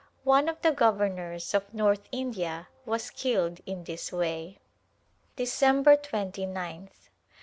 One of the governors of North India was killed in this way. December 2gih.